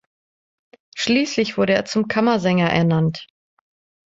Schließlich wurde er zum Kammersänger ernannt.